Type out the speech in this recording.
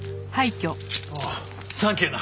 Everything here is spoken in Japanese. おおサンキューな。